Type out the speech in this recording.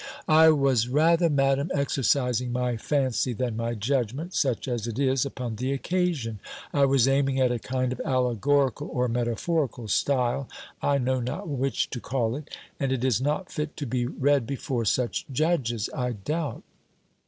"I was rather. Madam, exercising my fancy than my judgment, such as it is, upon the occasion. I was aiming at a kind of allegorical or metaphorical style, I know not which to call it; and it is not fit to be read before such judges, I doubt."